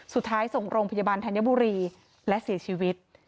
สุดท้ายส่งโรงพยาบาลธัญบุรีและเสียชีวิต